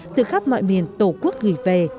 từ khắp mọi miền tổ quốc gửi về